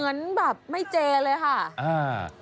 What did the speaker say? เหมือนแบบไม่เจเลยค่ะอ่า